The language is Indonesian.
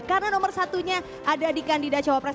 karena nomor satunya ada di kandidat cawapres dua